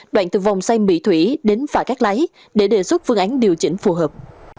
đoạn từ vòng xoay mỹ thủy đến phả các lái để đề xuất phương án điều chỉnh phù hợp